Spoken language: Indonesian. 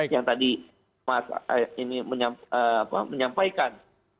yang tadi mas ini menyampaikan